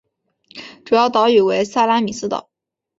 主要岛屿为萨拉米斯岛。